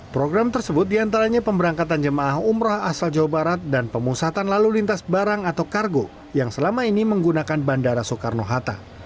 program tersebut diantaranya pemberangkatan jemaah umroh asal jawa barat dan pemusatan lalu lintas barang atau kargo yang selama ini menggunakan bandara soekarno hatta